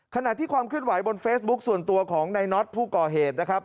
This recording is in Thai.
ขณะที่ความเคลื่อนไหวบนเฟซบุ๊คส่วนตัวของในน็อตผู้ก่อเหตุนะครับ